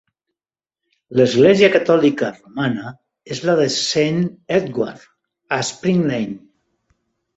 L'església catòlica romana és la de Saint Edward, a Spring Lane.